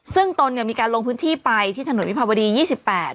ซึ่งตอนมีการลงพื้นที่ไปที่ถนนวิภาวดีรังสิต๒๘